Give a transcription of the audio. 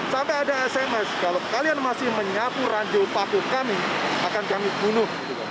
sampai ada sms kalau kalian masih menyapu ranjau paku kami akan kami bunuh